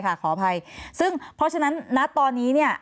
ขออภัยค่ะขออภัยซึ่งเพราะฉะนั้นนะตอนนี้เนี่ย